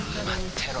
てろ